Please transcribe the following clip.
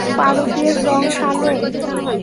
পারদের রং কালো?